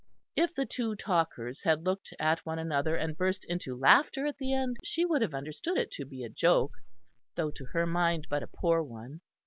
If the two talkers had looked at one another and burst into laughter at the end, she would have understood it to be a joke, though, to her mind, but a poor one.